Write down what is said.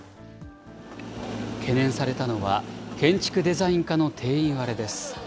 懸念されたのは建築デザイン科の定員割れです。